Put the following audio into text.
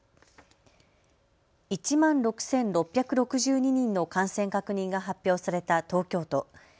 １万６６６２人の感染確認が発表された東京都。